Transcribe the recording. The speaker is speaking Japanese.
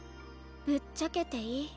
ぶっちゃけていい？